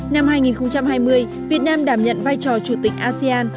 năm hai nghìn hai mươi việt nam đảm nhận vai trò chủ tịch asean